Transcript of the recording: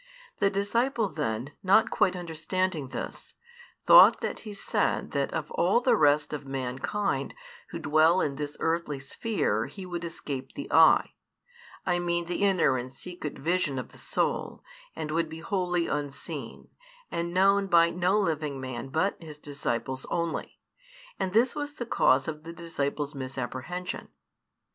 The disciple then, not quite understanding this, thought that He said that of all the rest of mankind who dwell in this earthly sphere He would escape the eye, I mean the inner and secret vision of the soul, and would be wholly unseen, and known by no living man but His disciples only; and this was the cause of the disciple's misapprehension.